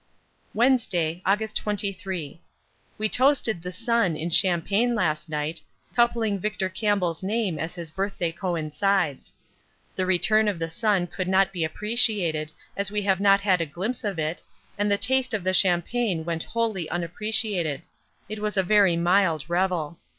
Wednesday, August 23. We toasted the sun in champagne last night, coupling Victor Campbell's name as his birthday coincides. The return of the sun could not be appreciated as we have not had a glimpse of it, and the taste of the champagne went wholly unappreciated; it was a very mild revel.